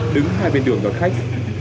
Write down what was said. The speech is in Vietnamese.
đứng hai bên đường đón khách